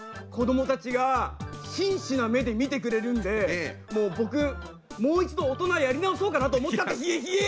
子どもたちが真摯な目で見てくれるんでもう僕もう一度大人やり直そうかなと思っちゃった。